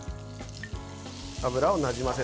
油をなじませる。